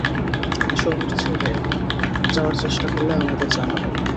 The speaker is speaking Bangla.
ও শহর ছেড়ে যাওয়ার চেষ্টা করলে আমাদের জানাবেন।